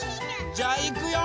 じゃあいくよ！